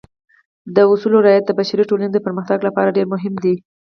د اصولو رعایت د بشري ټولنې د پرمختګ لپاره ډېر مهم دی.